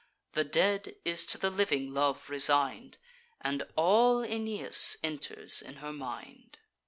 The dead is to the living love resign'd; And all Aeneas enters in her mind.